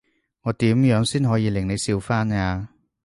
我點樣先可以令你笑返呀？